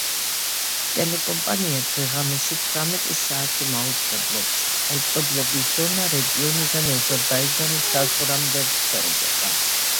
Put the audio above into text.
ტელეკომპანია დღე-ღამეში თვრამეტი საათი მაუწყებლობს, მაუწყებლობის ზონა რეგიონიდან აზერბაიჯანის საზღვრამდე ვრცელდება.